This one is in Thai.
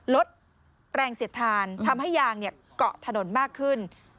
ลดแรงเสียดทานทำให้ยางเกาะถนนมากขึ้น